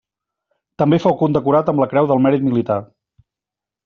També fou condecorat amb la Creu del Mèrit Militar.